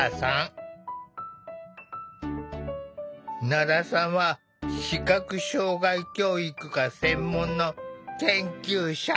奈良さんは視覚障害教育が専門の研究者。